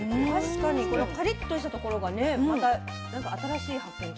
確かにこのカリッとしたところがねまた新しい発見というか。